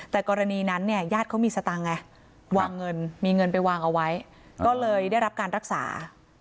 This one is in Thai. แต่กรณีนั้นเนี่ยญาติเขามีสตางค์ไงวางเงินมีเงินไปวางเอาไว้ก็เลยได้รับการรักษา